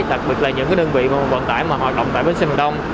thật sự là những đơn vị vận tải mà họ đồng tại bến xe miền đông